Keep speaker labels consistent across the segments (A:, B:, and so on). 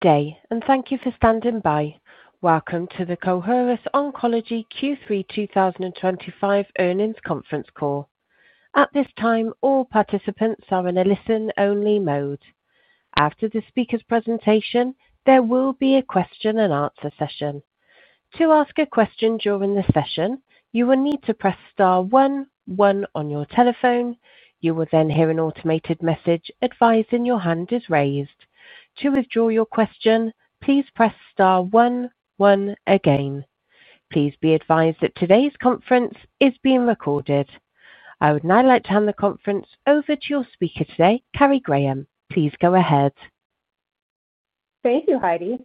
A: Okay, and thank you for standing by. Welcome to the Coherus Oncology Q3 2025 earnings conference call. At this time, all participants are in a listen-only mode. After the speaker's presentation, there will be a question-and-answer session. To ask a question during the session, you will need to press star one, one, on your telephone. You will then hear an automated message advising your hand is raised. To withdraw your question, please press star one, one, again. Please be advised that today's conference is being recorded. I would now like to hand the conference over to your speaker today, Carrie Graham. Please go ahead.
B: Thank you, Heidi.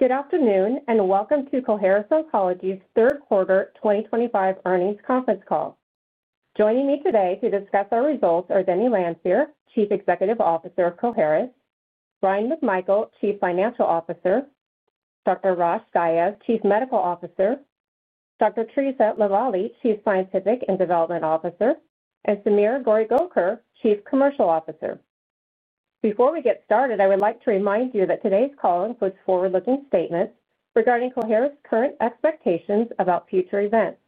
B: Good afternoon, and welcome to Coherus Oncology's third quarter 2025 earnings conference call. Joining me today to discuss our results are Denny Lanfear, Chief Executive Officer of Coherus; Bryan McMichael, Chief Financial Officer; Dr. Rosh Dias, Chief Medical Officer; Dr. Theresa LaVallee, Chief Scientific and Development Officer; and Sameer Goregaoker, Chief Commercial Officer. Before we get started, I would like to remind you that today's call includes forward-looking statements regarding Coherus' current expectations about future events.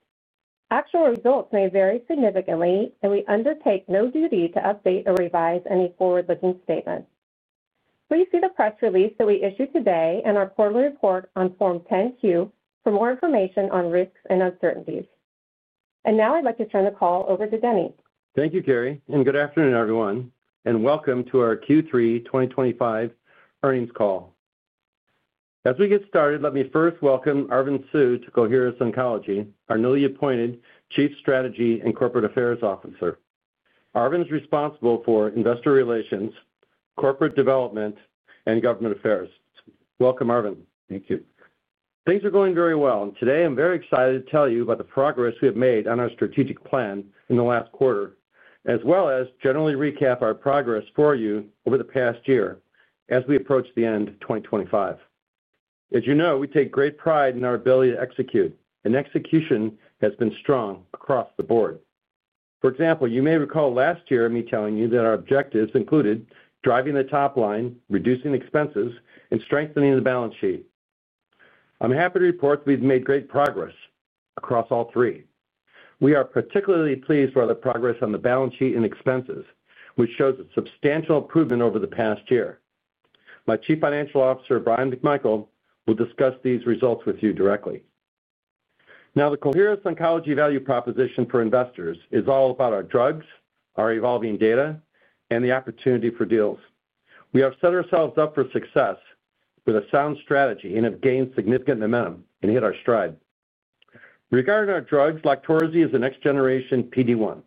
B: Actual results may vary significantly, and we undertake no duty to update or revise any forward-looking statements. Please see the press release that we issued today and our quarterly report on Form 10-Q for more information on risks and uncertainties. I would like to turn the call over to Denny.
C: Thank you, Carrie, and good afternoon, everyone, and welcome to our Q3 2025 earnings call. As we get started, let me first welcome Arvind Sood to Coherus Oncology, our newly appointed Chief Strategy and Corporate Affairs Officer. Arvind is responsible for investor relations, corporate development, and government affairs. Welcome, Arvind.
D: Thank you.
C: Things are going very well, and today I'm very excited to tell you about the progress we have made on our strategic plan in the last quarter, as well as generally recap our progress for you over the past year as we approach the end of 2025. As you know, we take great pride in our ability to execute, and execution has been strong across the board. For example, you may recall last year me telling you that our objectives included driving the top line, reducing expenses, and strengthening the balance sheet. I'm happy to report that we've made great progress across all three. We are particularly pleased with our progress on the balance sheet and expenses, which shows a substantial improvement over the past year. My Chief Financial Officer, Bryan McMichael, will discuss these results with you directly. Now, the Coherus Oncology value proposition for investors is all about our drugs, our evolving data, and the opportunity for deals. We have set ourselves up for success with a sound strategy and have gained significant momentum and hit our stride. Regarding our drugs, LOQTORZI is a next-generation PD-1,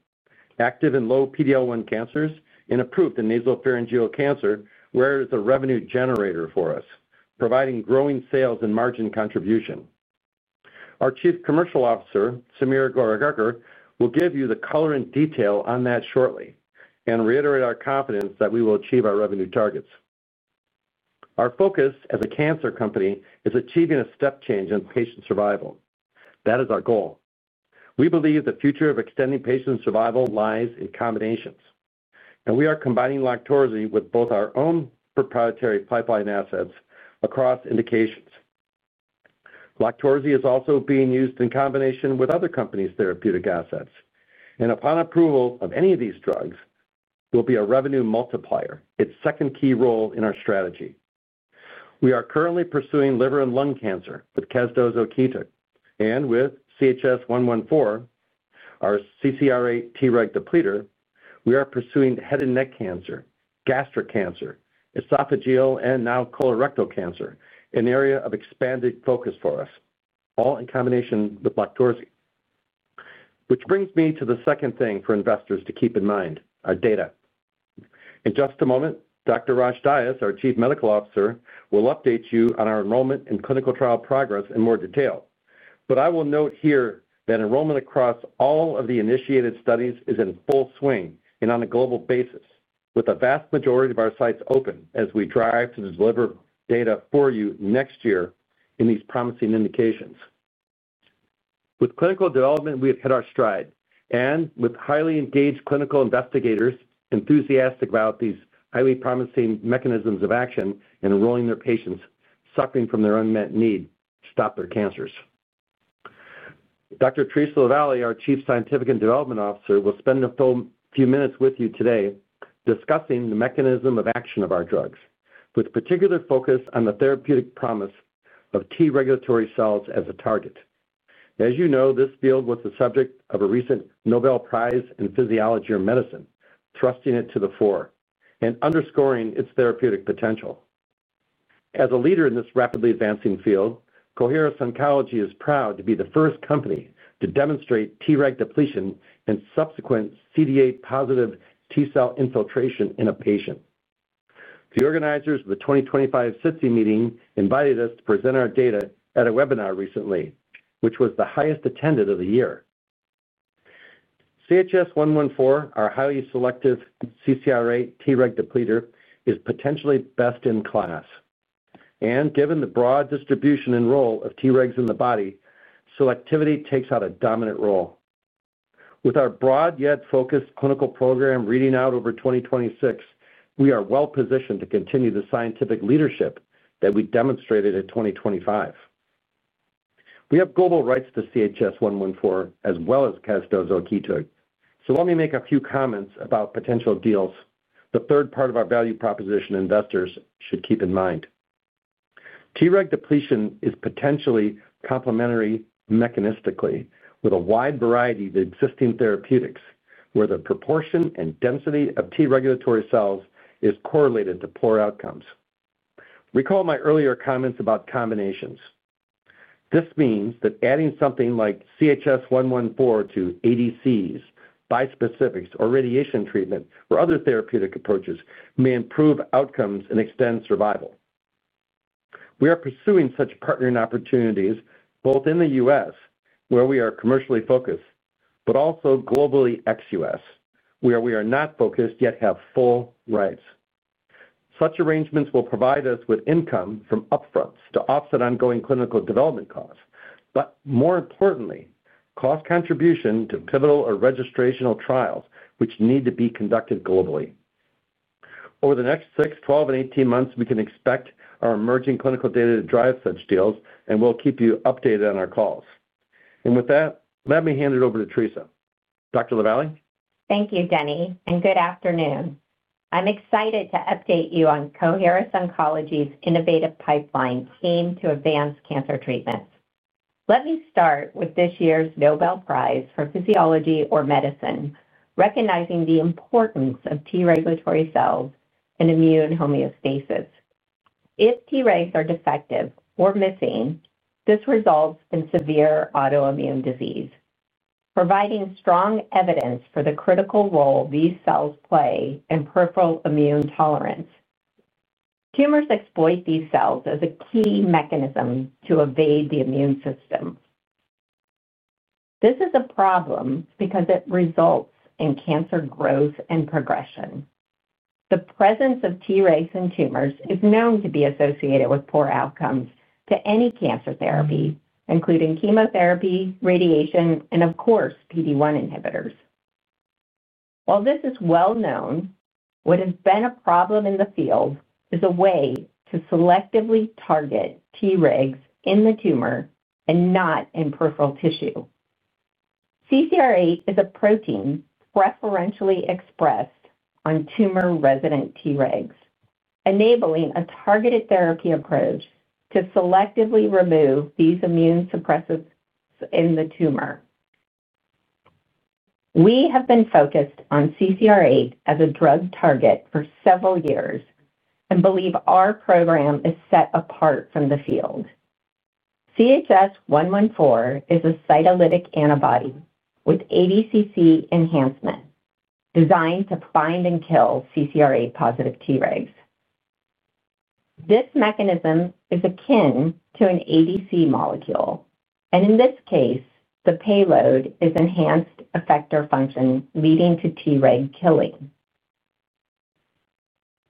C: active in low PD-L1 cancers and approved in nasopharyngeal cancer, where it is a revenue generator for us, providing growing sales and margin contribution. Our Chief Commercial Officer, Sameer Goregaoker, will give you the color and detail on that shortly and reiterate our confidence that we will achieve our revenue targets. Our focus as a cancer company is achieving a step change in patient survival. That is our goal. We believe the future of extending patient survival lies in combinations, and we are combining LOQTORZI with both our own proprietary pipeline assets across indications. LOQTORZI is also being used in combination with other companies' therapeutic assets, and upon approval of any of these drugs, it will be a revenue multiplier, its second key role in our strategy. We are currently pursuing liver and lung cancer with casdozokitug, and with CHS-114. Our CCR8 Treg depleter, we are pursuing head and neck cancer, gastric cancer, esophageal, and now colorectal cancer, an area of expanded focus for us, all in combination with LOQTORZI. Which brings me to the second thing for investors to keep in mind: our data. In just a moment, Dr. Rosh Dias, our Chief Medical Officer, will update you on our enrollment and clinical trial progress in more detail, but I will note here that enrollment across all of the initiated studies is in full swing and on a global basis, with a vast majority of our sites open as we drive to deliver data for you next year in these promising indications. With clinical development, we have hit our stride, and with highly engaged clinical investigators enthusiastic about these highly promising mechanisms of action in enrolling their patients, sucking from their unmet need to stop their cancers. Dr. Theresa LaVallee, our Chief Scientific and Development Officer, will spend a few minutes with you today discussing the mechanism of action of our drugs, with particular focus on the therapeutic promise of T regulatory cells as a target. As you know, this field was the subject of a recent Nobel Prize in Physiology or Medicine, thrusting it to the fore and underscoring its therapeutic potential. As a leader in this rapidly advancing field, Coherus Oncology is proud to be the first company to demonstrate Treg depletion and subsequent CD8-positive T cell infiltration in a patient. The organizers of the 2025 SITC meeting invited us to present our data at a webinar recently, which was the highest attended of the year. CHS-114, our highly selective CCR8 Treg depleter, is potentially best in class. Given the broad distribution and role of Tregs in the body, selectivity takes out a dominant role. With our broad yet focused clinical program reading out over 2026, we are well positioned to continue the scientific leadership that we demonstrated in 2025. We have global rights to CHS-114 as well as casdozokitug, so let me make a few comments about potential deals the third part of our value proposition investors should keep in mind. Treg depletion is potentially complementary mechanistically with a wide variety of existing therapeutics, where the proportion and density of T regulatory cells is correlated to poor outcomes. Recall my earlier comments about combinations. This means that adding something like CHS-114 to ADCs, bispecifics, or radiation treatment, or other therapeutic approaches may improve outcomes and extend survival. We are pursuing such partnering opportunities both in the U.S., where we are commercially focused, but also globally ex U.S., where we are not focused yet have full rights. Such arrangements will provide us with income from upfronts to offset ongoing clinical development costs, but more importantly, cost contribution to pivotal or registrational trials, which need to be conducted globally. Over the next six, 12, and 18 months, we can expect our emerging clinical data to drive such deals, and we'll keep you updated on our calls. With that, let me hand it over to Theresa. Dr. LaVallee?
E: Thank you, Denny, and good afternoon. I'm excited to update you on Coherus Oncology's innovative pipeline aimed to advance cancer treatments. Let me start with this year's Nobel Prize in Physiology or Medicine recognizing the importance of T regulatory cells and immune homeostasis. If Tregs are defective or missing, this results in severe autoimmune disease, providing strong evidence for the critical role these cells play in peripheral immune tolerance. Tumors exploit these cells as a key mechanism to evade the immune system. This is a problem because it results in cancer growth and progression. The presence of Tregs in tumors is known to be associated with poor outcomes to any cancer therapy, including chemotherapy, radiation, and of course, PD-1 inhibitors. While this is well known, what has been a problem in the field is a way to selectively target Tregs in the tumor and not in peripheral tissue. CCR8 is a protein preferentially expressed on tumor-resident Tregs, enabling a targeted therapy approach to selectively remove these immune suppressants in the tumor. We have been focused on CCR8 as a drug target for several years and believe our program is set apart from the field. CHS-114 is a cytolytic antibody with ADCC enhancement. Designed to find and kill CCR8-positive Tregs. This mechanism is akin to an ADC molecule, and in this case, the payload is enhanced effector function leading to Treg killing.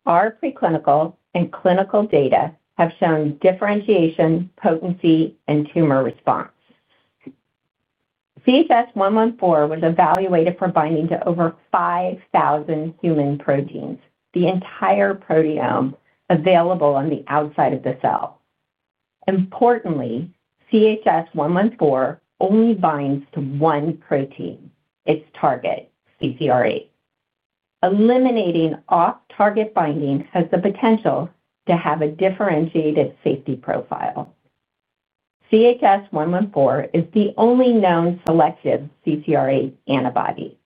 E: Our preclinical and clinical data have shown differentiation, potency, and tumor response. CHS-114 was evaluated for binding to over 5,000 human proteins, the entire proteome available on the outside of the cell. Importantly, CHS-114 only binds to one protein, its target, CCR8. Eliminating off-target binding has the potential to have a differentiated safety profile. CHS-114 is the only known selective CCR8 antibody.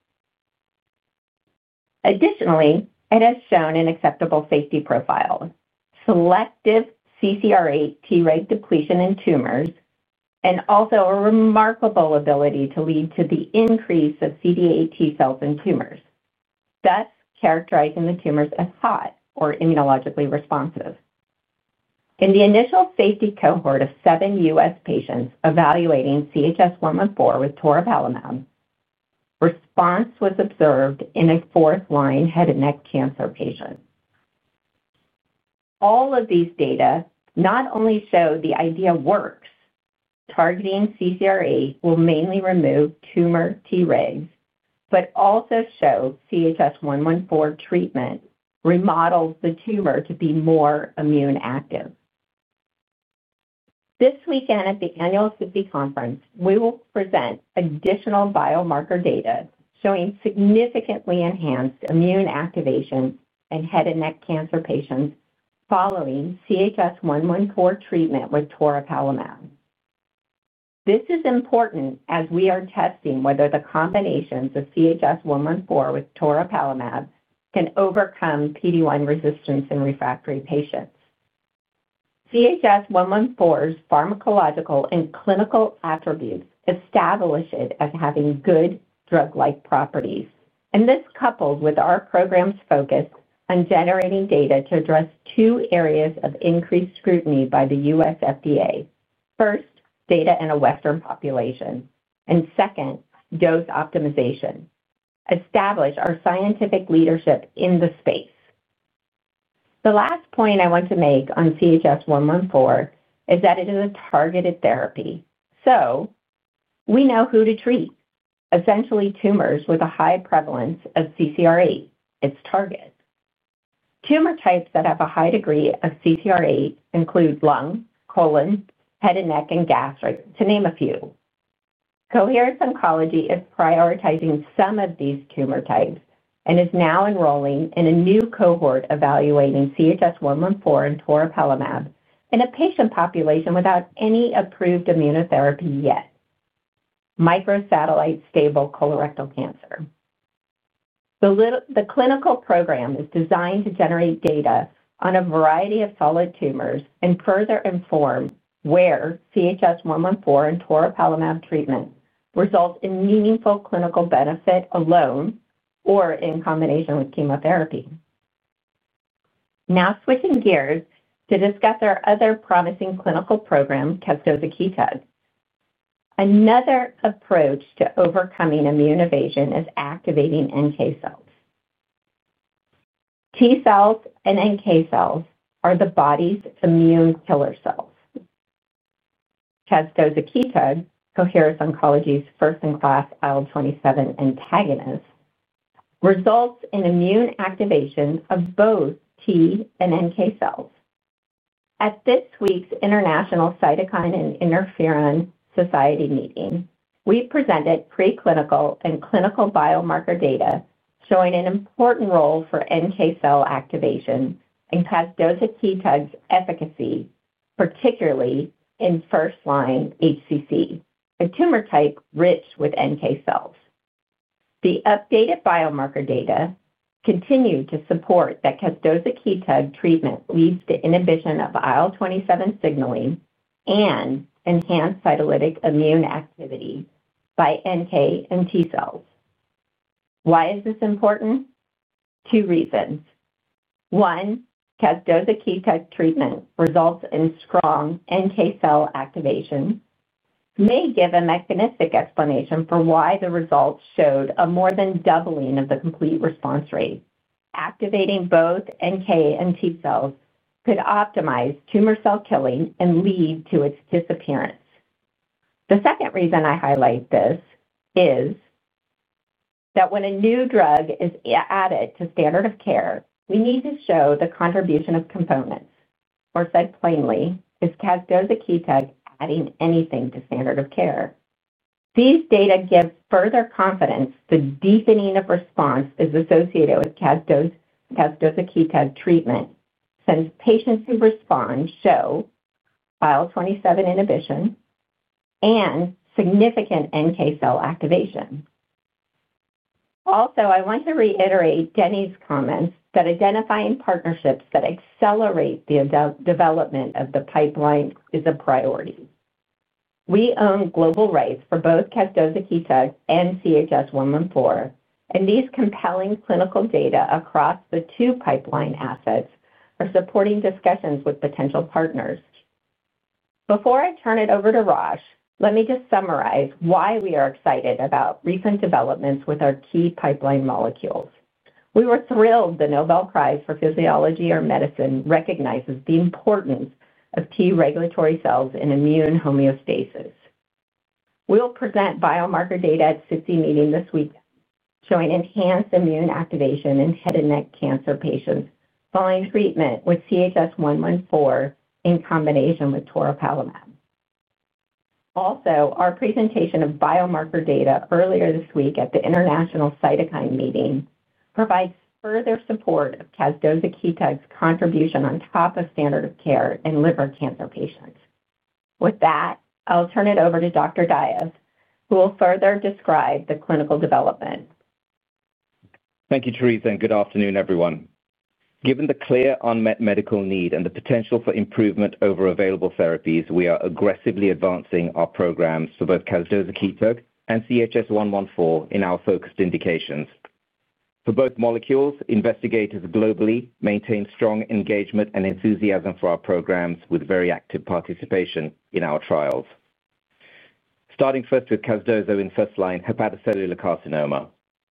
E: Additionally, it has shown an acceptable safety profile, selective CCR8 Treg depletion in tumors, and also a remarkable ability to lead to the increase of CD8 T cells in tumors, thus characterizing the tumors as hot or immunologically responsive. In the initial safety cohort of seven U.S. patients evaluating CHS-114 with toripalimab, response was observed in a fourth-line head and neck cancer patient. All of these data not only show the idea works. Targeting CCR8 will mainly remove tumor Tregs, but also show CHS-114 treatment remodels the tumor to be more immune active. This weekend at the annual SITC conference, we will present additional biomarker data showing significantly enhanced immune activation in head and neck cancer patients following CHS-114 treatment with toripalimab. This is important as we are testing whether the combinations of CHS-114 with toripalimab can overcome PD-1 resistance in refractory patients. CHS-114's pharmacological and clinical attributes establish it as having good drug-like properties, and this couples with our program's focus on generating data to address two areas of increased scrutiny by the U.S. FDA. First, data in a Western population, and second, dose optimization. Establish our scientific leadership in the space. The last point I want to make on CHS-114 is that it is a targeted therapy. We know who to treat, essentially tumors with a high prevalence of CCR8, its target. Tumor types that have a high degree of CCR8 include lung, colon, head and neck, and gastric, to name a few. Coherus Oncology is prioritizing some of these tumor types and is now enrolling in a new cohort evaluating CHS-114 and toripalimab in a patient population without any approved immunotherapy yet. Microsatellite stable colorectal cancer. The clinical program is designed to generate data on a variety of solid tumors and further inform where CHS-114 and toripalimab treatment results in meaningful clinical benefit alone or in combination with chemotherapy. Now, switching gears to discuss our other promising clinical program, casdozokitug. Another approach to overcoming immune evasion is activating NK cells. T cells and NK cells are the body's immune killer cells. Casdozokitug, Coherus Oncology's first-in-class IL-27 antagonist, results in immune activation of both T and NK cells. At this week's International Cytokine and Interferon Society meeting, we presented preclinical and clinical biomarker data showing an important role for NK cell activation and casdozokitug's efficacy, particularly in first-line HCC, a tumor type rich with NK cells. The updated biomarker data continued to support that casdozokitug treatment leads to inhibition of IL-27 signaling and enhanced cytolytic immune activity by NK and T cells. Why is this important? Two reasons. One, casdozokitug treatment results in strong NK cell activation. May give a mechanistic explanation for why the results showed a more than doubling of the complete response rate. Activating both NK and T cells could optimize tumor cell killing and lead to its disappearance. The second reason I highlight this is that when a new drug is added to standard of care, we need to show the contribution of components, or said plainly, is casdozokitug adding anything to standard of care. These data give further confidence the deepening of response is associated with casdozokitug treatment since patients who respond show IL-27 inhibition and significant NK cell activation. Also, I want to reiterate Denny's comments that identifying partnerships that accelerate the development of the pipeline is a priority. We own global rights for both casdozokitug and CHS-114, and these compelling clinical data across the two pipeline assets are supporting discussions with potential partners. Before I turn it over to Rosh, let me just summarize why we are excited about recent developments with our key pipeline molecules. We were thrilled the Nobel Prize in Physiology or Medicine recognizes the importance of T regulatory cells in immune homeostasis. We will present biomarker data at the SITC meeting this week showing enhanced immune activation in head and neck cancer patients following treatment with CHS-114 in combination with toripalimab. Also, our presentation of biomarker data earlier this week at the International Cytokine meeting provides further support of casdozokitug's contribution on top of standard of care in liver cancer patients. With that, I will turn it over to Dr. Dias, who will further describe the clinical development.
F: Thank you, Theresa, and good afternoon, everyone. Given the clear unmet medical need and the potential for improvement over available therapies, we are aggressively advancing our programs for both casdozokitug and CHS-114 in our focused indications. For both molecules, investigators globally maintain strong engagement and enthusiasm for our programs with very active participation in our trials. Starting first casdozokitug in first-line hepatocellular carcinoma.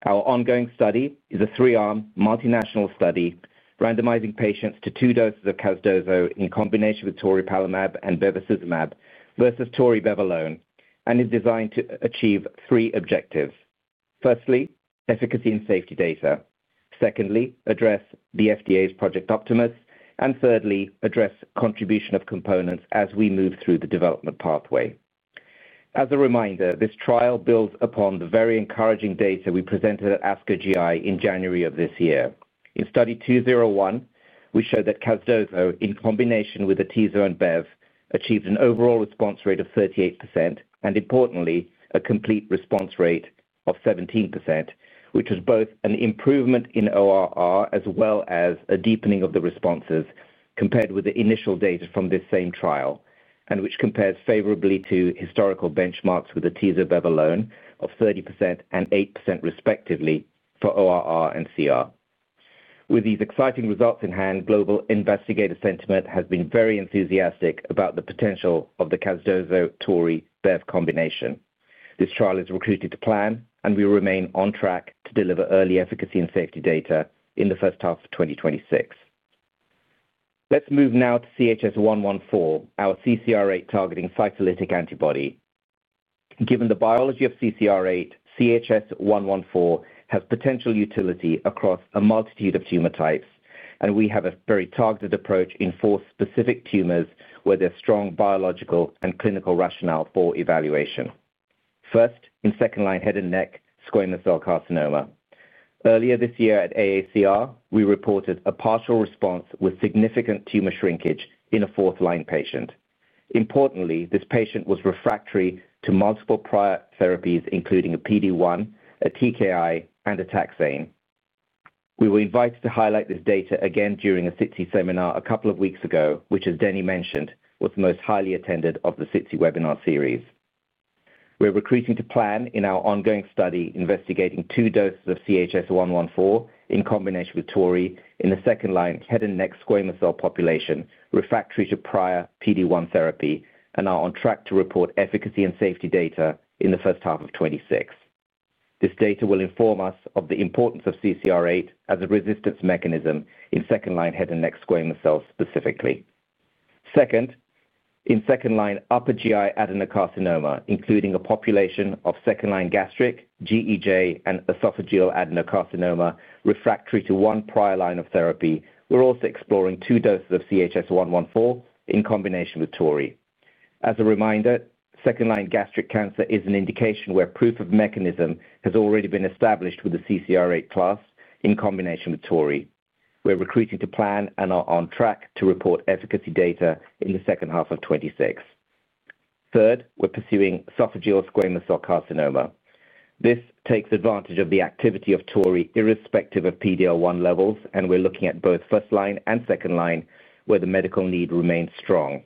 F: Our ongoing study is a three-armed multinational study randomizing patients to two doses casdozokitug in combination with toripalimab and toripalimab versus toripalimab alone, and is designed to achieve three objectives. Firstly, efficacy and safety data. Secondly, address the FDA's Project Optimus, and thirdly, address contribution of components as we move through the development pathway. As a reminder, this trial builds upon the very encouraging data we presented at ASCO GI in January of this year. In study 201, we showed that casdozo, in combination with the TZO and bev, achieved an overall response rate of 38%, and importantly, a complete response rate of 17%, which was both an improvement in ORR as well as a deepening of the responses compared with the initial data from this same trial, and which compares favorably to historical benchmarks with the TZO and bev alone of 30% and 8% respectively for ORR and CR. With these exciting results in hand, global investigator sentiment has been very enthusiastic about the potential of the casdozo/torip/bev combination. This trial is recruited to plan, and we will remain on track to deliver early efficacy and safety data in the first half of 2026. Let's move now to CHS-114, our CCR8 targeting cytolytic antibody. Given the biology of CCR8, CHS-114 has potential utility across a multitude of tumor types, and we have a very targeted approach in four specific tumors where there's strong biological and clinical rationale for evaluation. First, in second-line head and neck squamous cell carcinoma. Earlier this year at AACR, we reported a partial response with significant tumor shrinkage in a fourth-line patient. Importantly, this patient was refractory to multiple prior therapies, including a PD-1, a TKI, and a taxane. We were invited to highlight this data again during a SITC seminar a couple of weeks ago, which, as Denny mentioned, was the most highly attended of the SITC webinar series. We're recruiting to plan in our ongoing study investigating two doses of CHS-114 in combination with in the second-line head and neck squamous cell population, refractory to prior PD-1 therapy, and are on track to report efficacy and safety data in the first half of 2026. This data will inform us of the importance of CCR8 as a resistance mechanism in second-line head and neck squamous cells specifically. Second. In second-line upper GI adenocarcinoma, including a population of second-line gastric, GEJ, and esophageal adenocarcinoma refractory to one prior line of therapy, we're also exploring two doses of CHS-114 in combination with. As a reminder, second-line gastric cancer is an indication where proof of mechanism has already been established with the CCR8 class in combination with. We're recruiting to plan and are on track to report efficacy data in the second half of 2026. Third, we're pursuing esophageal squamous cell carcinoma. This takes advantage of the activity of tori irrespective of PD-L1 levels, and we're looking at both first-line and second-line where the medical need remains strong.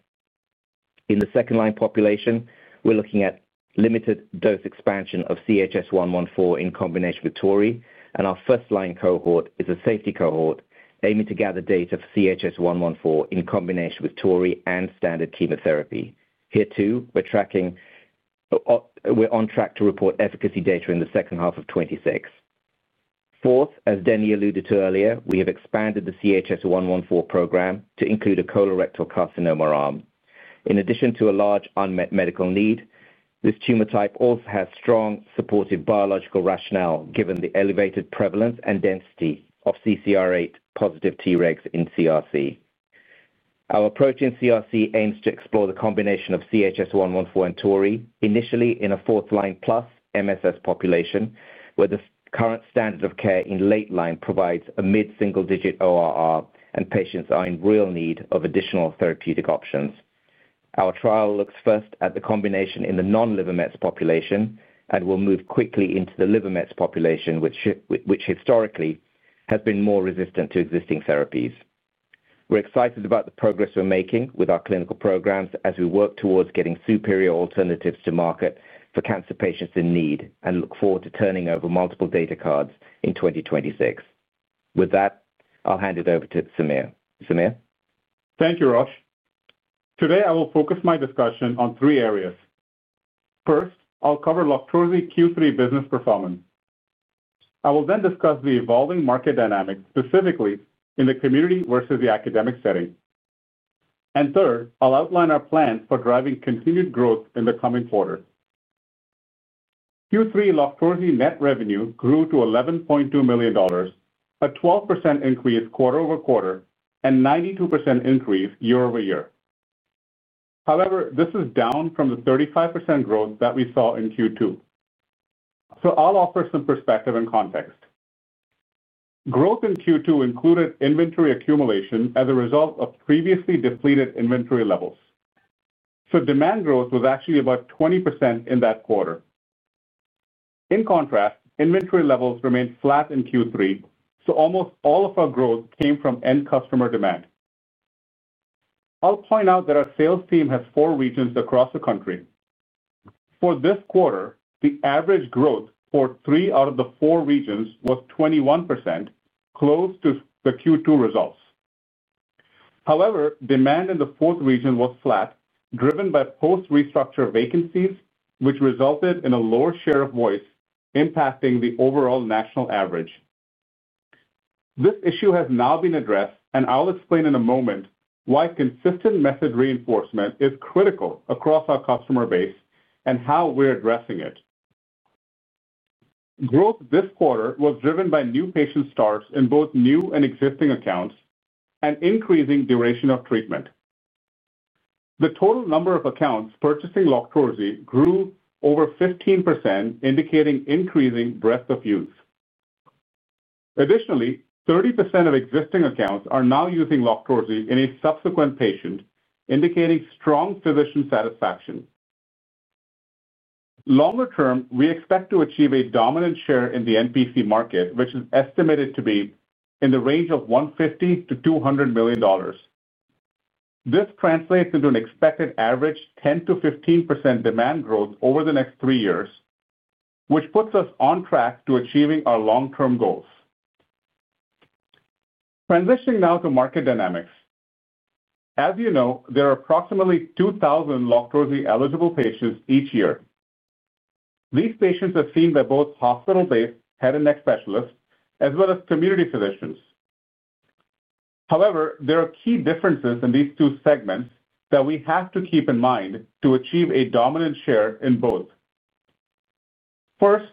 F: In the second-line population, we're looking at limited dose expansion of CHS-114 in combination with tori, and our first-line cohort is a safety cohort aiming to gather data for CHS-114 in combination with tori and standard chemotherapy. Here too, we're on track to report efficacy data in the second half of 2026. Fourth, as Denny alluded to earlier, we have expanded the CHS-114 program to include a colorectal carcinoma arm. In addition to a large unmet medical need, this tumor type also has strong supportive biological rationale given the elevated prevalence and density of CCR8-positive Tregs in CRC. Our approach in CRC aims to explore the combination of CHS-114 and tori, initially in a fourth-line plus MSS population where the current standard of care in late line provides a mid-single-digit ORR, and patients are in real need of additional therapeutic options. Our trial looks first at the combination in the non-liver mets population and will move quickly into the liver mets population, which historically has been more resistant to existing therapies. We're excited about the progress we're making with our clinical programs as we work towards getting superior alternatives to market for cancer patients in need and look forward to turning over multiple data cards in 2026. With that, I'll hand it over to Sameer. Sameer?
G: Thank you, Rosh. Today, I will focus my discussion on three areas. First, I'll cover LOQTORZI Q3 business performance. I will then discuss the evolving market dynamics, specifically in the community versus the academic setting. Third, I'll outline our plans for driving continued growth in the coming quarter. Q3 LOQTORZI net revenue grew to $11.2 million, a 12% increase quarter over quarter and a 92% increase year-over-year. However, this is down from the 35% growth that we saw in Q2. I'll offer some perspective and context. Growth in Q2 included inventory accumulation as a result of previously depleted inventory levels. Demand growth was actually about 20% in that quarter. In contrast, inventory levels remained flat in Q3, so almost all of our growth came from end customer demand. I'll point out that our sales team has four regions across the country. For this quarter, the average growth for three out of the four regions was 21%, close to the Q2 results. However, demand in the fourth region was flat, driven by post-restructure vacancies, which resulted in a lower share of voice impacting the overall national average. This issue has now been addressed, and I'll explain in a moment why consistent method reinforcement is critical across our customer base and how we're addressing it. Growth this quarter was driven by new patient starts in both new and existing accounts and increasing duration of treatment. The total number of accounts purchasing LOQTORZI grew over 15%, indicating increasing breadth of use. Additionally, 30% of existing accounts are now using LOQTORZI in a subsequent patient, indicating strong physician satisfaction. Longer term, we expect to achieve a dominant share in the NPC market, which is estimated to be in the range of $150-$200 million. This translates into an expected average 10%-15% demand growth over the next three years, which puts us on track to achieving our long-term goals. Transitioning now to market dynamics. As you know, there are approximately 2,000 LOQTORZI eligible patients each year. These patients are seen by both hospital-based head and neck specialists as well as community physicians. However, there are key differences in these two segments that we have to keep in mind to achieve a dominant share in both. First,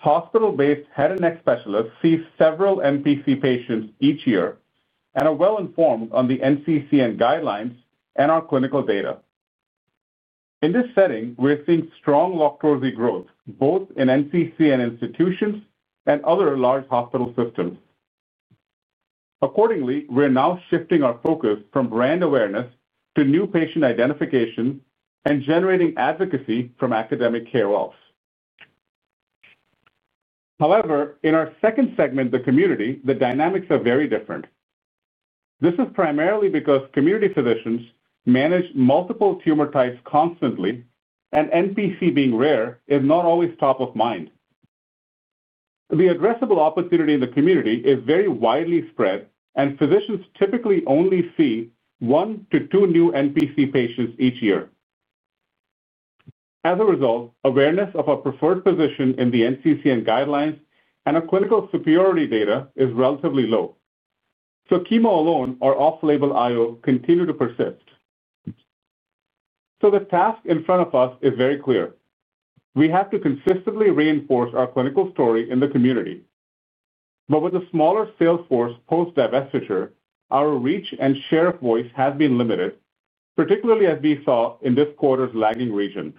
G: hospital-based head and neck specialists see several NPC patients each year and are well informed on the NCCN guidelines and our clinical data. In this setting, we're seeing strong LOQTORZI growth both in NCCN institutions and other large hospital systems. Accordingly, we're now shifting our focus from brand awareness to new patient identification and generating advocacy from academic care wells. However, in our second segment, the community, the dynamics are very different. This is primarily because community physicians manage multiple tumor types constantly, and NPC being rare is not always top of mind. The addressable opportunity in the community is very widely spread, and physicians typically only see one to two new NPC patients each year. As a result, awareness of our preferred position in the NCCN guidelines and our clinical superiority data is relatively low. Chemo alone or off-label IO continue to persist. The task in front of us is very clear. We have to consistently reinforce our clinical story in the community. With a smaller sales force post-divestiture, our reach and share of voice have been limited, particularly as we saw in this quarter's lagging region.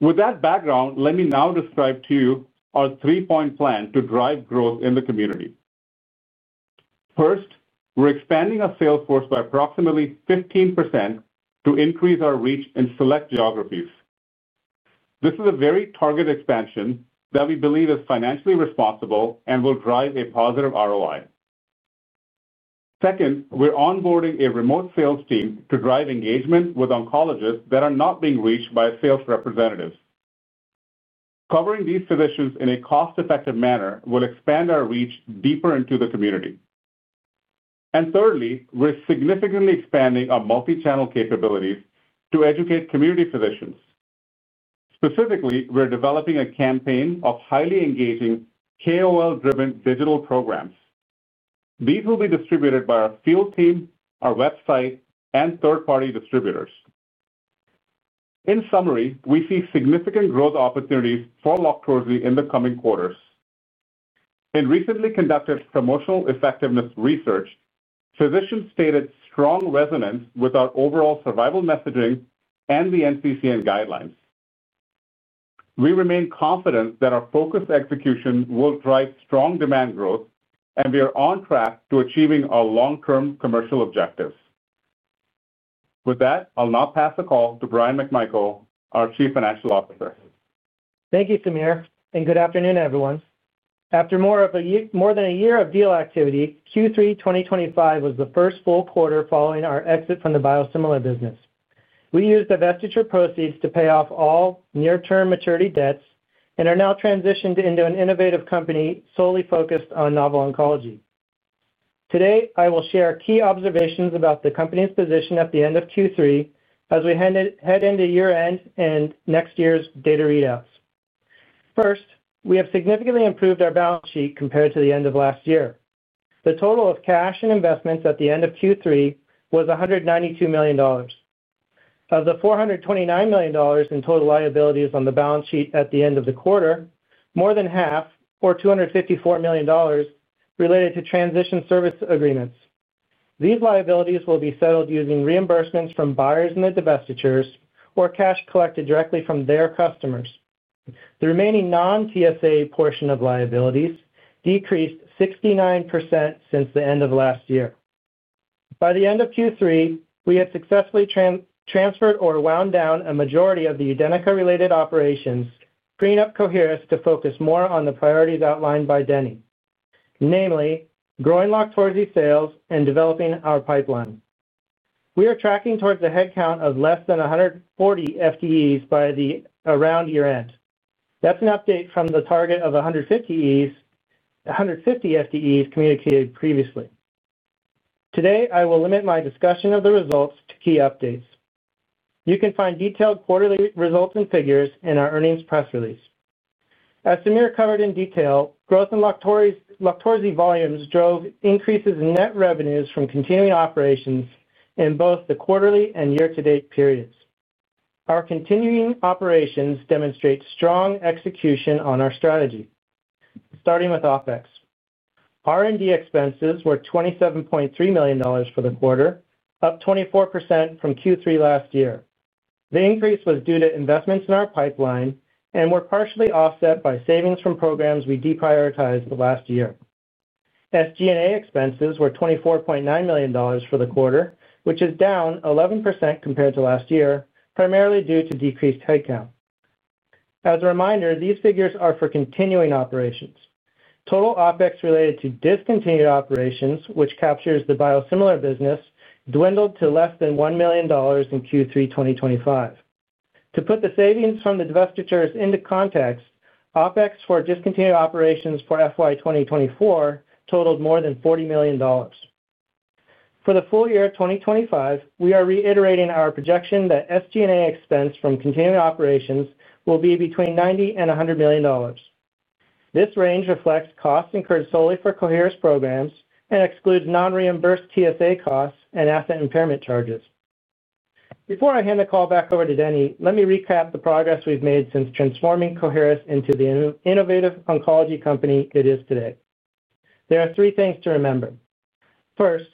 G: With that background, let me now describe to you our three-point plan to drive growth in the community. First, we're expanding our sales force by approximately 15% to increase our reach in select geographies. This is a very targeted expansion that we believe is financially responsible and will drive a positive ROI. Second, we're onboarding a remote sales team to drive engagement with oncologists that are not being reached by sales representatives. Covering these physicians in a cost-effective manner will expand our reach deeper into the community. Thirdly, we're significantly expanding our multi-channel capabilities to educate community physicians. Specifically, we're developing a campaign of highly engaging KOL-driven digital programs. These will be distributed by our field team, our website, and third-party distributors. In summary, we see significant growth opportunities for LOQTORZI in the coming quarters. In recently conducted promotional effectiveness research, physicians stated strong resonance with our overall survival messaging and the NCCN guidelines. We remain confident that our focused execution will drive strong demand growth, and we are on track to achieving our long-term commercial objectives. With that, I'll now pass the call to Bryan McMichael, our Chief Financial Officer.
H: Thank you, Sameer, and good afternoon, everyone. After more than a year of deal activity, Q3 2025 was the first full quarter following our exit from the biosimilar business. We used divestiture proceeds to pay off all near-term maturity debts and are now transitioned into an innovative company solely focused on novel oncology. Today, I will share key observations about the company's position at the end of Q3 as we head into year-end and next year's data readouts. First, we have significantly improved our balance sheet compared to the end of last year. The total of cash and investments at the end of Q3 was $192 million. Of the $429 million in total liabilities on the balance sheet at the end of the quarter, more than half, or $254 million, related to transition service agreements. These liabilities will be settled using reimbursements from buyers in the divestitures or cash collected directly from their customers. The remaining non-TSA portion of liabilities decreased 69% since the end of last year. By the end of Q3, we had successfully transferred or wound down a majority of the Edenica-related operations, cleaning up Coherus to focus more on the priorities outlined by Denny, namely growing LOQTORZI sales and developing our pipeline. We are tracking towards a headcount of less than 140 FTEs by around year-end. That's an update from the target of 150 FTEs communicated previously. Today, I will limit my discussion of the results to key updates. You can find detailed quarterly results and figures in our earnings press release. As Sameer covered in detail, growth in LOQTORZI volumes drove increases in net revenues from continuing operations in both the quarterly and year-to-date periods. Our continuing operations demonstrate strong execution on our strategy, starting with OPEX. R&D expenses were $27.3 million for the quarter, up 24% from Q3 last year. The increase was due to investments in our pipeline and were partially offset by savings from programs we deprioritized the last year. SG&A expenses were $24.9 million for the quarter, which is down 11% compared to last year, primarily due to decreased headcount. As a reminder, these figures are for continuing operations. Total OPEX related to discontinued operations, which captures the biosimilar business, dwindled to less than $1 million in Q3 2025. To put the savings from the divestitures into context, OPEX for discontinued operations for FY 2024 totaled more than $40 million. For the full year 2025, we are reiterating our projection that SG&A expense from continuing operations will be between $90-$100 million. This range reflects costs incurred solely for Coherus programs and excludes non-reimbursed TSA costs and asset impairment charges. Before I hand the call back over to Denny, let me recap the progress we've made since transforming Coherus into the innovative oncology company it is today. There are three things to remember. First,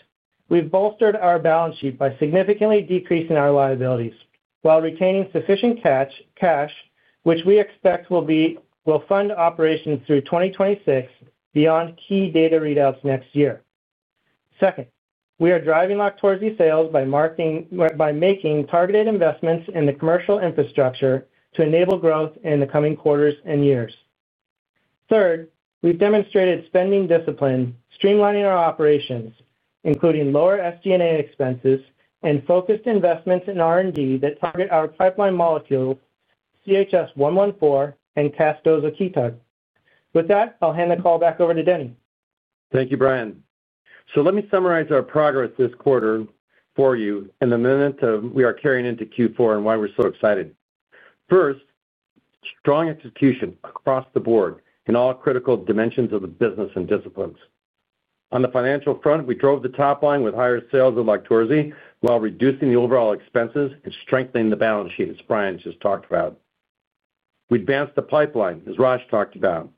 H: we've bolstered our balance sheet by significantly decreasing our liabilities while retaining sufficient cash, which we expect will fund operations through 2026 beyond key data readouts next year. Second, we are driving LOQTORZI sales by making targeted investments in the commercial infrastructure to enable growth in the coming quarters and years. Third, we've demonstrated spending discipline, streamlining our operations, including lower SG&A expenses and focused investments in R&D that target our pipeline molecules, CHS-114 and casdozokitug. With that, I'll hand the call back over to Denny.
C: Thank you, Bryan. Let me summarize our progress this quarter for you in the minute we are carrying into Q4 and why we're so excited. First. Strong execution across the board in all critical dimensions of the business and disciplines. On the financial front, we drove the top line with higher sales of LOQTORZI while reducing the overall expenses and strengthening the balance sheet, as Bryan just talked about. We advanced the pipeline, as Rosh talked about.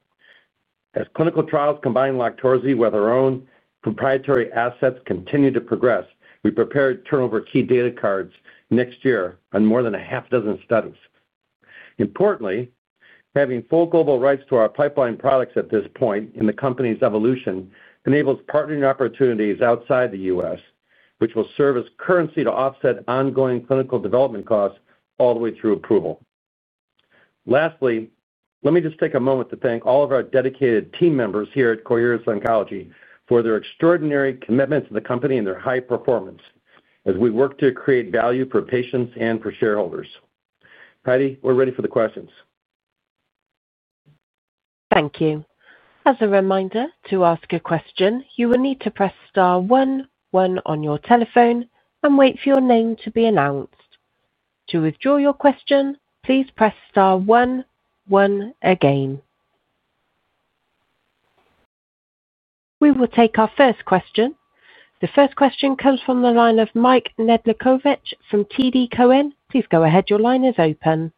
C: As clinical trials combining LOQTORZI with our own proprietary assets continue to progress, we prepared to unveil key data cards next year on more than six studies. Importantly, having full global rights to our pipeline products at this point in the company's evolution enables partnering opportunities outside the U.S., which will serve as currency to offset ongoing clinical development costs all the way through approval. Lastly, let me just take a moment to thank all of our dedicated team members here at Coherus Oncology for their extraordinary commitment to the company and their high performance as we work to create value for patients and for shareholders. Heidi, we're ready for the questions.
A: Thank you. As a reminder, to ask a question, you will need to press star one, one on your telephone and wait for your name to be announced. To withdraw your question, please press star one, one again. We will take our first question. The first question comes from the line of Mike Nedelcovych from TD Cowen. Please go ahead. Your line is open.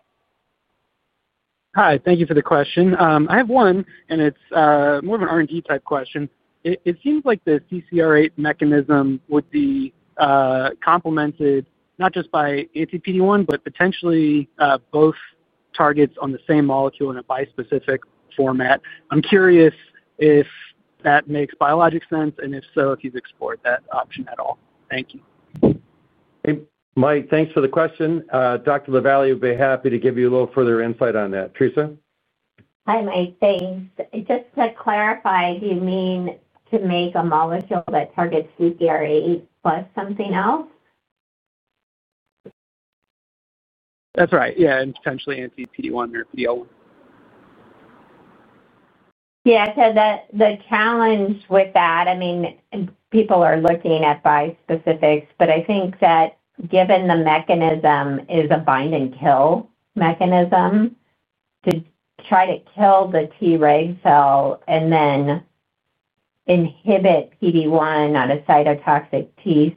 I: Hi, thank you for the question. I have one, and it's more of an R&D type question. It seems like the CCR8 mechanism would be complemented not just by anti-PD-1, but potentially both targets on the same molecule in a bispecific format. I'm curious if that makes biologic sense and if so, if you've explored that option at all. Thank you.
C: Hey, Mike, thanks for the question. Dr. LaVallee would be happy to give you a little further insight on that. Theresa.
E: Hi, Mike. Thanks. Just to clarify, do you mean to make a molecule that targets CCR8 plus something else?
I: That's right. Yeah, and potentially anti-PD-1 or PD-1.
E: Yeah, so the challenge with that, I mean, people are looking at bispecifics, but I think that given the mechanism is a bind-and-kill mechanism. To try to kill the Treg cell and then inhibit PD-1 on a cytotoxic T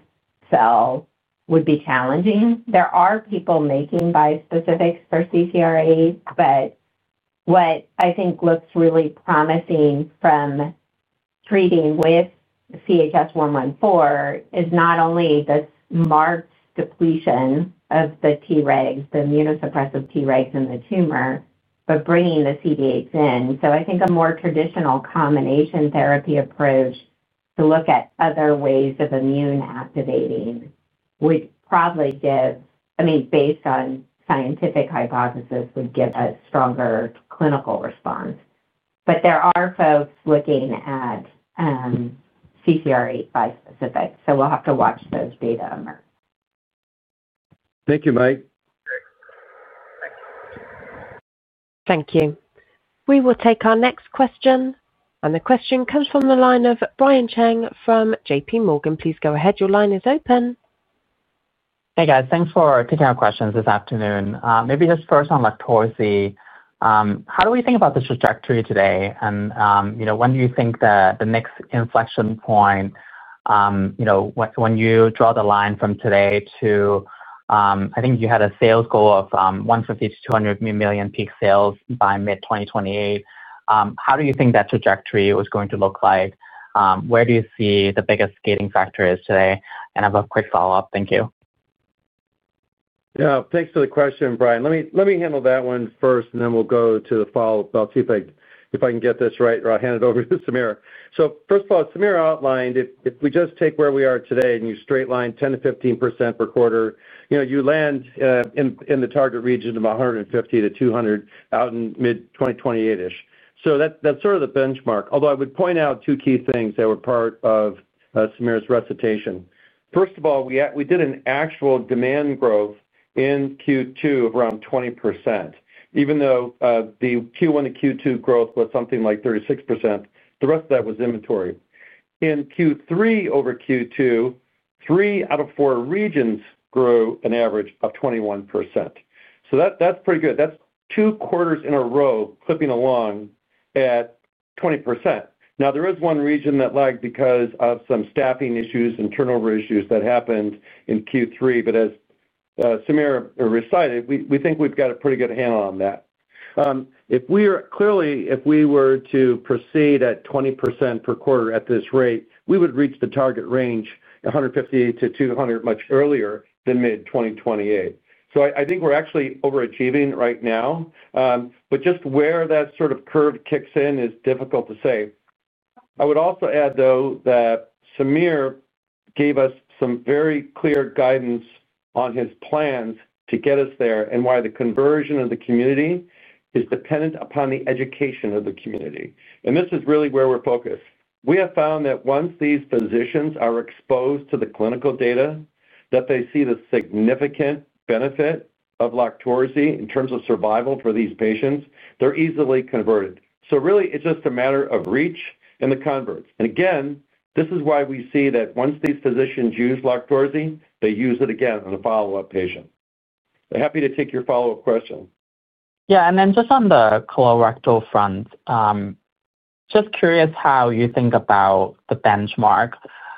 E: cell would be challenging. There are people making bispecifics for CCR8, but what I think looks really promising from treating with CHS-114 is not only the marked depletion of the Tregs, the immunosuppressive Tregs in the tumor, but bringing the CD8s in. I think a more traditional combination therapy approach to look at other ways of immune activating would probably give, I mean, based on scientific hypothesis, would give a stronger clinical response. There are folks looking at CCR8 bispecifics, so we'll have to watch those data emerge.
C: Thank you, Mike.
A: Thank you. We will take our next question. The question comes from the line of Brian Cheng from J.P. Morgan. Please go ahead. Your line is open.
J: Hey, guys. Thanks for taking our questions this afternoon. Maybe just first on LOQTORZI. How do we think about the trajectory today? When do you think the next inflection point is? When you draw the line from today to, I think you had a sales goal of $150 million-$200 million peak sales by mid-2028, how do you think that trajectory is going to look like? Where do you see the biggest gating factor is today? I have a quick follow-up. Thank you.
C: Yeah, thanks for the question, Brian. Let me handle that one first, and then we'll go to the follow-up. I'll see if I can get this right or I'll hand it over to Sameer. First of all, Sameer outlined if we just take where we are today and you straight line 10%-15% per quarter, you land in the target region of $150 million-$200 million out in mid-2028-ish. That's sort of the benchmark, although I would point out two key things that were part of Sameer's recitation. First of all, we did an actual demand growth in Q2 of around 20%, even though the Q1 to Q2 growth was something like 36%. The rest of that was inventory. In Q3 over Q2, three out of four regions grew an average of 21%. That's pretty good. That's two quarters in a row clipping along at 20%. Now, there is one region that lagged because of some staffing issues and turnover issues that happened in Q3, but as Sameer recited, we think we've got a pretty good handle on that. Clearly, if we were to proceed at 20% per quarter at this rate, we would reach the target range, $150 million-$200 million, much earlier than mid-2028. I think we're actually overachieving right now. Just where that sort of curve kicks in is difficult to say. I would also add, though, that Sameer gave us some very clear guidance on his plans to get us there and why the conversion of the community is dependent upon the education of the community. This is really where we're focused. We have found that once these physicians are exposed to the clinical data, that they see the significant benefit of LOQTORZI in terms of survival for these patients, they're easily converted. It is just a matter of reach and the converts. Again, this is why we see that once these physicians use LOQTORZI, they use it again on a follow-up patient. Happy to take your follow-up question.
J: Yeah, and then just on the colorectal front. Just curious how you think about the benchmark.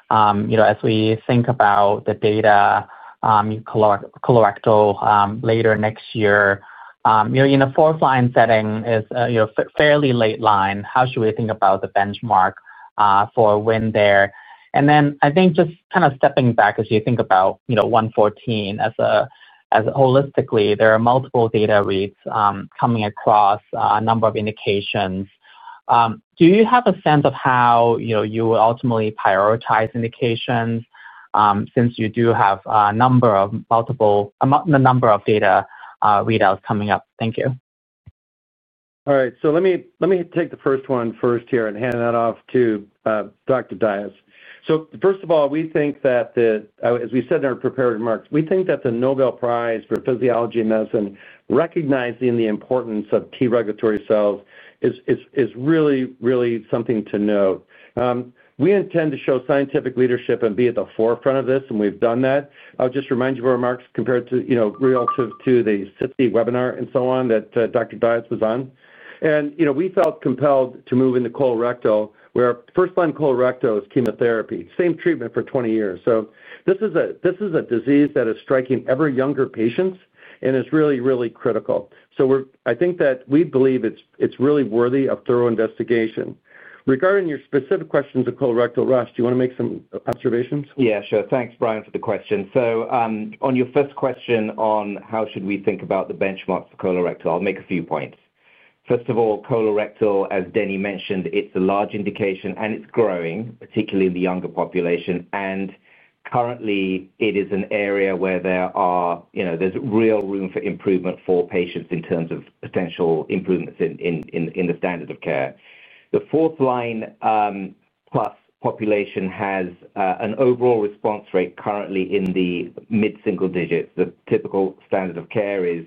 J: As we think about the data. Colorectal later next year, in the fourth line setting is a fairly late line. How should we think about the benchmark for when there? And then I think just kind of stepping back as you think about 114 as. Holistically, there are multiple data reads coming across a number of indications. Do you have a sense of how you would ultimately prioritize indications. Since you do have a number of multiple. The number of data readouts coming up? Thank you.
C: All right. Let me take the first one first here and hand that off to Dr. Dias. First of all, we think that, as we said in our prepared remarks, we think that the Nobel Prize for Physiology and Medicine, recognizing the importance of T regulatory cells, is really, really something to note. We intend to show scientific leadership and be at the forefront of this, and we've done that. I'll just remind you of our remarks relative to the SITC webinar and so on that Dr. Dias was on. We felt compelled to move into colorectal where first-line colorectal is chemotherapy, same treatment for 20 years. This is a disease that is striking ever younger patients and is really, really critical. I think that we believe it's really worthy of thorough investigation. Regarding your specific questions of colorectal, Rosh, do you want to make some observations?
F: Yeah, sure. Thanks, Brian, for the question. On your first question on how should we think about the benchmarks for colorectal, I'll make a few points. First of all, colorectal, as Denny mentioned, it's a large indication and it's growing, particularly in the younger population. Currently, it is an area where there's real room for improvement for patients in terms of potential improvements in the standard of care. The fourth line plus population has an overall response rate currently in the mid-single digits. The typical standard of care is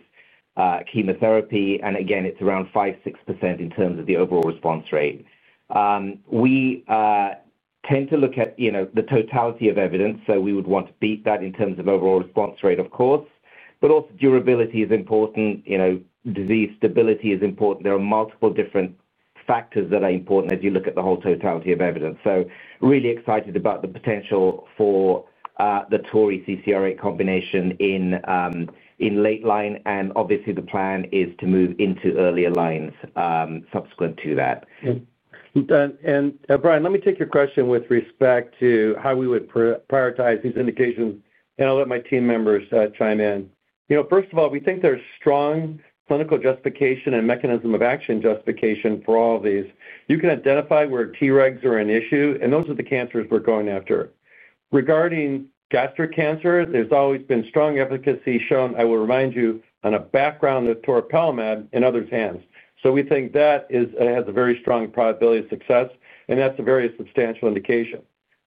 F: chemotherapy, and again, it's around 5%-6% in terms of the overall response rate. We tend to look at the totality of evidence, so we would want to beat that in terms of overall response rate, of course. Also, durability is important. Disease stability is important. There are multiple different factors that are important as you look at the whole totality of evidence. Really excited about the potential for the Tori CCR8 combination in late line. Obviously, the plan is to move into earlier lines subsequent to that.
C: Brian, let me take your question with respect to how we would prioritize these indications, and I'll let my team members chime in. First of all, we think there's strong clinical justification and mechanism of action justification for all of these. You can identify where Tregs are an issue, and those are the cancers we're going after. Regarding gastric cancer, there's always been strong efficacy shown, I will remind you, on a background of toripalimab in others' hands. We think that has a very strong probability of success, and that's a very substantial indication.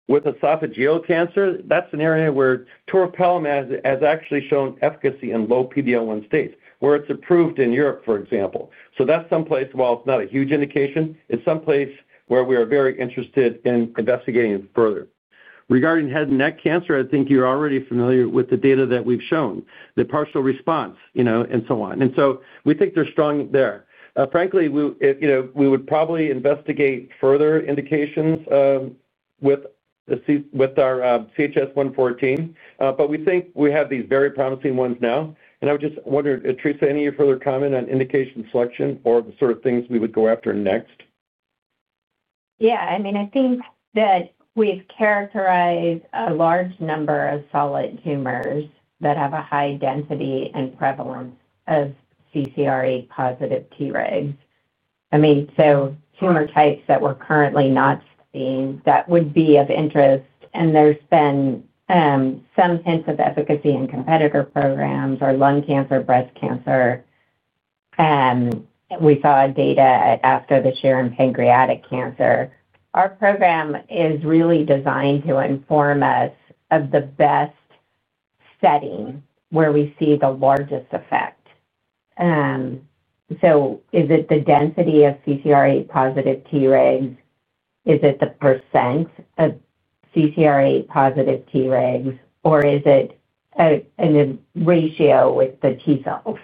C: With esophageal cancer, that's an area where toripalimab has actually shown efficacy in low PD-1 states, where it's approved in Europe, for example. That's someplace, while it's not a huge indication, it's someplace where we are very interested in investigating further. Regarding head and neck cancer, I think you're already familiar with the data that we've shown, the partial response and so on. We think they're strong there. Frankly, we would probably investigate further indications with our CHS-114, but we think we have these very promising ones now. I would just wonder, Theresa, any further comment on indication selection or the sort of things we would go after next?
E: Yeah. I mean, I think that we've characterized a large number of solid tumors that have a high density and prevalence of CCR8-positive Tregs. I mean, tumor types that we're currently not seeing that would be of interest. There's been some hints of efficacy in competitor programs or lung cancer, breast cancer. We saw data after the share in pancreatic cancer. Our program is really designed to inform us of the best setting where we see the largest effect. Is it the density of CCR8-positive Tregs? Is it the percent of CCR8-positive Tregs, or is it a ratio with the T cells?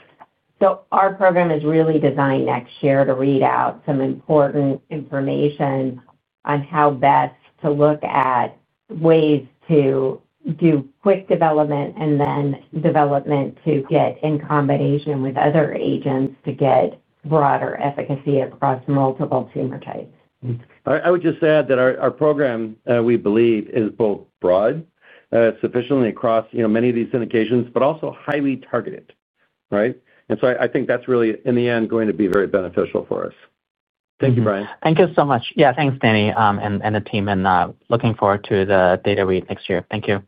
E: Our program is really designed next year to read out some important information on how best to look at ways to do quick development and then development to get in combination with other agents to get broader efficacy across multiple tumor types.
C: I would just add that our program, we believe, is both broad, sufficiently across many of these indications, but also highly targeted, right? I think that's really, in the end, going to be very beneficial for us. Thank you, Brian.
J: Thank you so much. Yeah, thanks, Denny and the team, and looking forward to the data read next year. Thank you.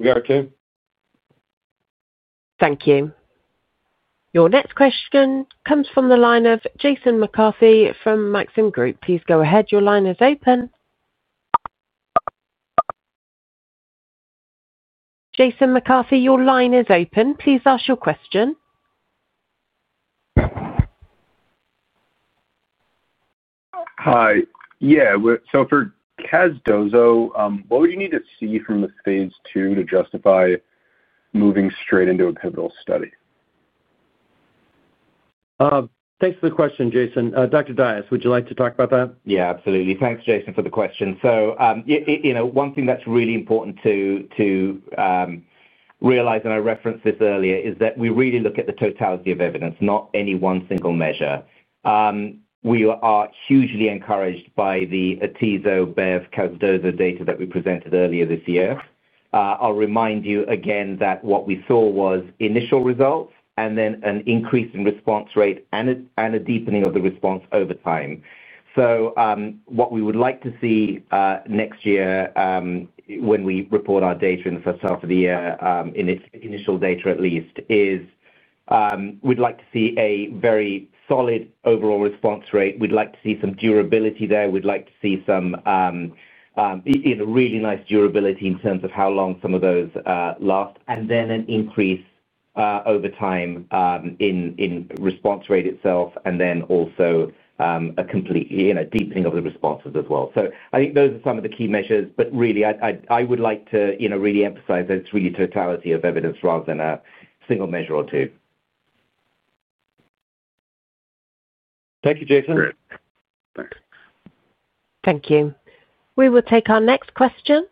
C: We are too.
A: Thank you. Your next question comes from the line of Jason McCarthy from Maxim Group. Please go ahead. Your line is open. Jason McCarthy, your line is open. Please ask your question.
K: Hi. Yeah. For casdozo, what would you need to see from the phase two to justify moving straight into a pivotal study?
C: Thanks for the question, Jason. Dr. Dias, would you like to talk about that?
F: Yeah, absolutely. Thanks, Jason, for the question. One thing that's really important to realize, and I referenced this earlier, is that we really look at the totality of evidence, not any one single measure. We are hugely encouraged by the Atizo-Bev-Casdozokitug data that we presented earlier this year. I'll remind you again that what we saw was initial results and then an increase in response rate and a deepening of the response over time. What we would like to see next year, when we report our data in the first half of the year, in its initial data at least, is we'd like to see a very solid overall response rate. We'd like to see some durability there. We'd like to see some really nice durability in terms of how long some of those last, and then an increase over time in response rate itself, and then also. A complete deepening of the responses as well. I think those are some of the key measures, but really, I would like to really emphasize that it's really totality of evidence rather than a single measure or two.
C: Thank you, Jason.
K: Great. Thanks.
A: Thank you. We will take our next question.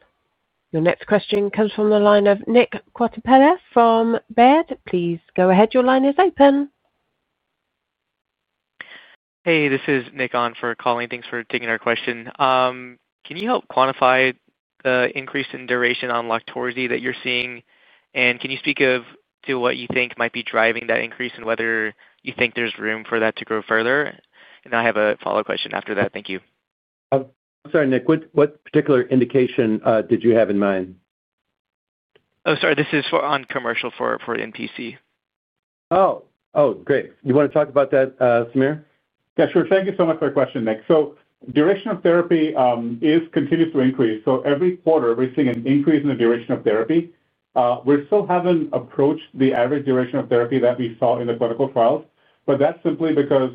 A: Your next question comes from the line of Nick Quartapella from Baird. Please go ahead. Your line is open.
L: Hey, this is Nick on for calling. Thanks for taking our question. Can you help quantify the increase in duration on LOQTORZI that you're seeing? Can you speak to what you think might be driving that increase and whether you think there's room for that to grow further? I have a follow-up question after that. Thank you.
C: I'm sorry, Nick. What particular indication did you have in mind?
L: Oh, sorry. This is on commercial for NPC.
C: Oh, great. You want to talk about that, Sameer?
G: Yeah, sure. Thank you so much for your question, Nick. Duration of therapy continues to increase. Every quarter, we're seeing an increase in the duration of therapy. We still haven't approached the average duration of therapy that we saw in the clinical trials, but that's simply because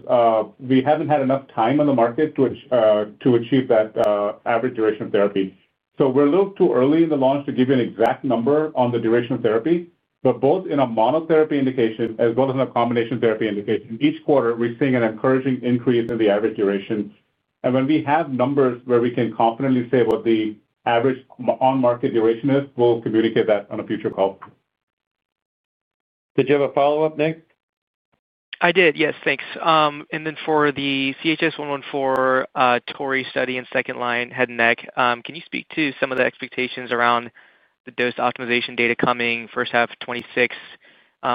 G: we haven't had enough time on the market to achieve that average duration of therapy. We're a little too early in the launch to give you an exact number on the duration of therapy, but both in a monotherapy indication as well as in a combination therapy indication, each quarter, we're seeing an encouraging increase in the average duration. When we have numbers where we can confidently say what the average on-market duration is, we'll communicate that on a future call.
C: Did you have a follow-up, Nick?
L: I did. Yes, thanks. For the CHS-114 tori study in second-line head and neck, can you speak to some of the expectations around the dose optimization data coming first half of 2026,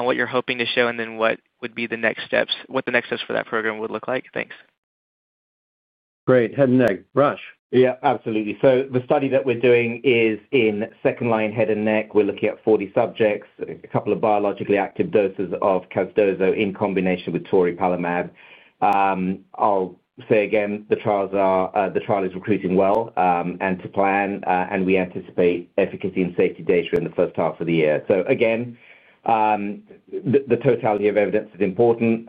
L: what you're hoping to show, and then what would be the next steps, what the next steps for that program would look like? Thanks.
C: Great. Head and neck. Rosh.
F: Yeah, absolutely. The study that we're doing is in second line head and neck. We're looking at 40 subjects, a couple of biologically active doses of casdozokitug in combination with toripalimab. I'll say again, the trial is recruiting well and to plan, and we anticipate efficacy and safety data in the first half of the year. The totality of evidence is important.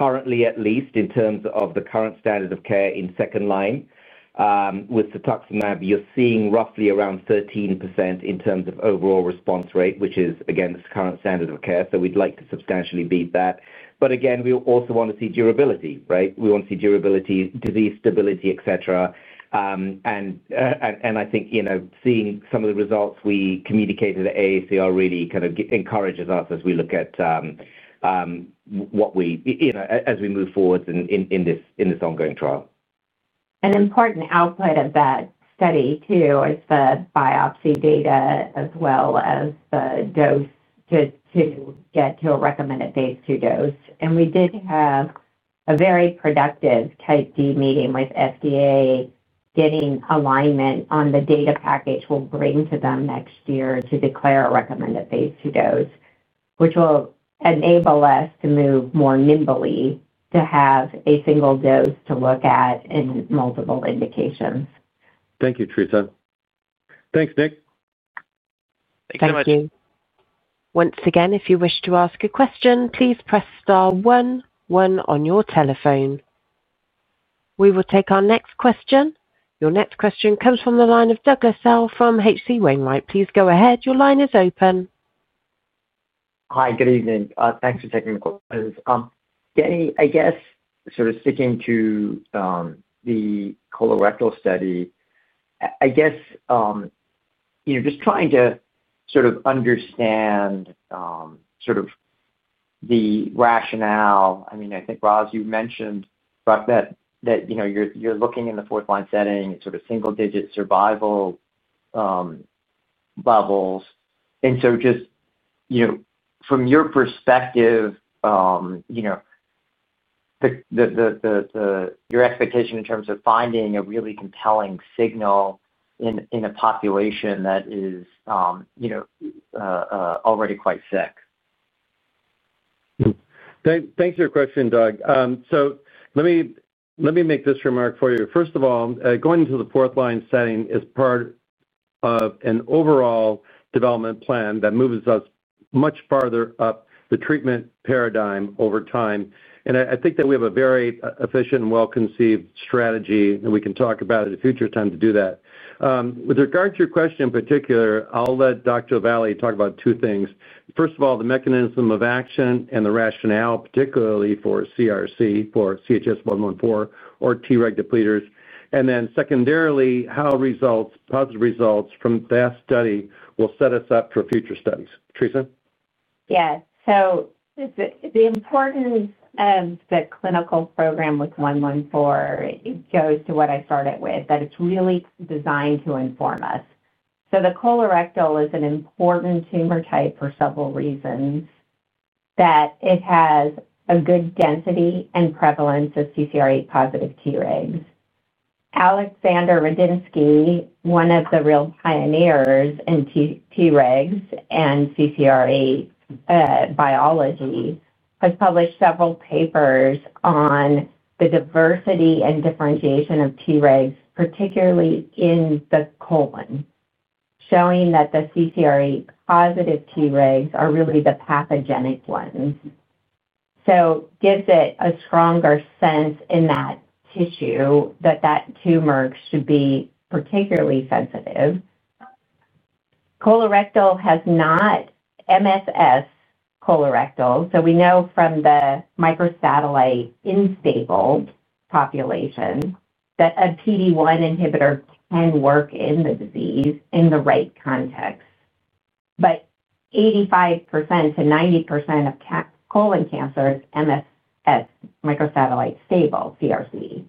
F: Currently, at least, in terms of the current standard of care in second line with cetuximab, you're seeing roughly around 13% in terms of overall response rate, which is, again, the current standard of care. We'd like to substantially beat that. We also want to see durability, right? We want to see durability, disease stability, etc. I think seeing some of the results we communicated at AACR really kind of encourages us as we look at what we. As we move forward in this ongoing trial.
E: An important output of that study too is the biopsy data as well as the dose to get to a recommended phase two dose. We did have a very productive type D meeting with FDA getting alignment on the data package we'll bring to them next year to declare a recommended phase two dose, which will enable us to move more nimbly to have a single dose to look at in multiple indications.
F: Thank you, Theresa.
C: Thanks, Nick.
L: Thank you.
A: Thank you. Once again, if you wish to ask a question, please press star one, one on your telephone. We will take our next question. Your next question comes from the line of Douglas Tsao from H.C. Wainwright. Please go ahead. Your line is open.
M: Hi, good evening. Thanks for taking the call. Denny, I guess sort of sticking to the colorectal study, I guess. Just trying to sort of understand the rationale. I mean, I think, Rosh, you mentioned that you're looking in the fourth-line setting, sort of single-digit survival levels. And just from your perspective, the expectation in terms of finding a really compelling signal in a population that is already quite sick.
C: Thanks for your question, Doug. Let me make this remark for you. First of all, going into the fourth-line setting is part of an overall development plan that moves us much farther up the treatment paradigm over time. I think that we have a very efficient and well-conceived strategy, and we can talk about it in future time to do that. With regard to your question in particular, I'll let Dr. LaVallee talk about two things. First of all, the mechanism of action and the rationale, particularly for CRC, for CHS-114 or Treg depleters. Then secondarily, how positive results from that study will set us up for future studies. Theresa.
E: Yeah. The importance of the clinical program with 114 goes to what I started with, that it's really designed to inform us. The colorectal is an important tumor type for several reasons. It has a good density and prevalence of CCR8-positive Tregs. Alexander Rudensky, one of the real pioneers in Tregs and CCR8 biology, has published several papers on the diversity and differentiation of Tregs, particularly in the colon, showing that the CCR8-positive Tregs are really the pathogenic ones. It gives it a stronger sense in that tissue that that tumor should be particularly sensitive. Colorectal has not. MSS colorectal. We know from the microsatellite stable populations that a PD-1 inhibitor can work in the disease in the right context. 85%-90% of colon cancer is MSS, microsatellite stable CRC,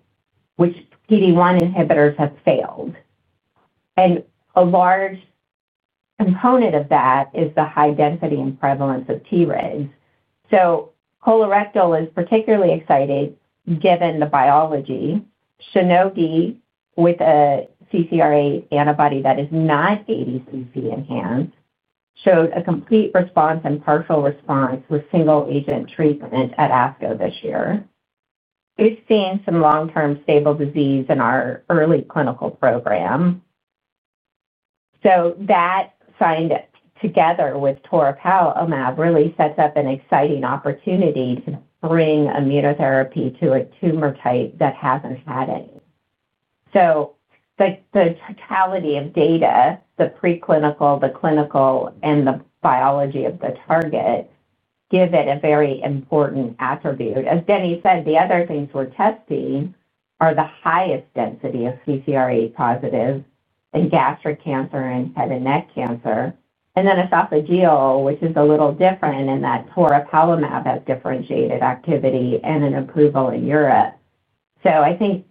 E: which PD-1 inhibitors have failed. A large component of that is the high density and prevalence of Tregs. So colorectal is particularly excited given the biology. Shionogi, with a CCR8 antibody that is not ADCC enhanced, showed a complete response and partial response with single-agent treatment at ASCO this year. We've seen some long-term stable disease in our early clinical program. So that signed together with toripalimab really sets up an exciting opportunity to bring immunotherapy to a tumor type that hasn't had any. The totality of data, the preclinical, the clinical, and the biology of the target give it a very important attribute. As Denny said, the other things we're testing are the highest density of CCR8-positive in gastric cancer and head and neck cancer. And then esophageal, which is a little different in that toripalimab has differentiated activity and an approval in Europe. I think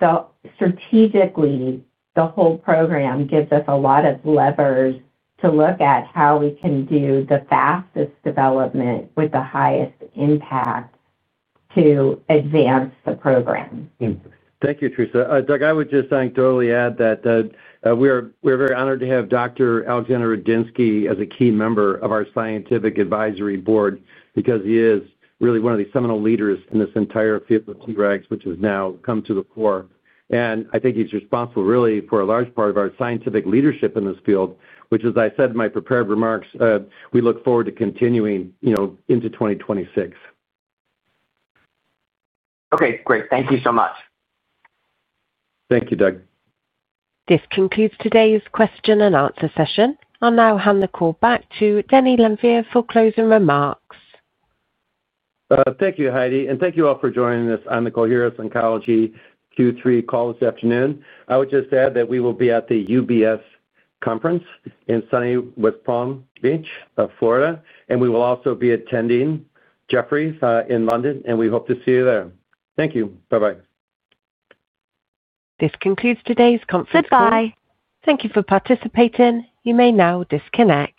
E: strategically, the whole program gives us a lot of levers to look at how we can do the fastest development with the highest impact to advance the program.
C: Thank you, Theresa. Doug, I would just thank Dorothy and add that we are very honored to have Dr. Alexander Rudensky as a key member of our scientific advisory board because he is really one of the seminal leaders in this entire field of Tregs, which has now come to the fore. I think he is responsible really for a large part of our scientific leadership in this field, which, as I said in my prepared remarks, we look forward to continuing into 2026.
M: Okay. Great. Thank you so much.
C: Thank you, Doug.
A: This concludes today's question and answer session. I'll now hand the call back to Denny Lanfear for closing remarks.
C: Thank you, Heidi. Thank you all for joining us on the Coherus Oncology Q3 call this afternoon. I would just add that we will be at the UBS conference in sunny West Palm Beach, Florida. We will also be attending Jefferies in London, and we hope to see you there. Thank you. Bye-bye.
A: This concludes today's conference. Goodbye. Thank you for participating. You may now disconnect.